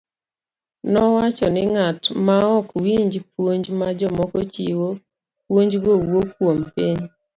Nowacho ni ng'at maok winj puonj ma jomoko chiwo, puonjgo wuok kuom piny.